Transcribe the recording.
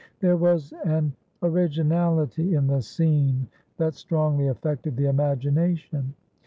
There was an originality in the scene that strongly affected the imagination.